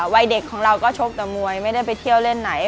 วัยเด็กของเราก็ชกแต่มวยไม่ได้ไปเที่ยวเล่นไหน